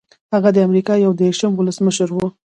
هغه د امریکا یو دېرشم ولسمشر و.